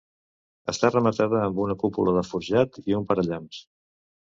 Està rematada amb una cúpula de forjat i un parallamps.